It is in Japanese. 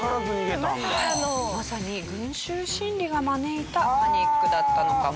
まさに群集心理が招いたパニックだったのかもしれません。